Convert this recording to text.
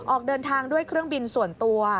ออกเดินทางด้วยเครื่องบินส่วนตัว